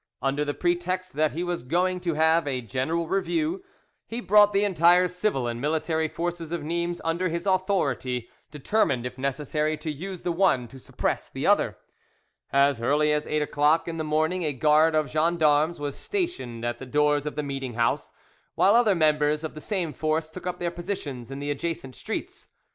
Under the pretext that he was going to have a general review, he brought the entire civil and military forces of Nimes under his authority, determined, if necessary, to use the one to suppress the other. As early as eight o'clock in the morning a guard of gens d'armes was stationed at the doors of the meeting house, while other members of the same force took up their positions in the adjacent streets.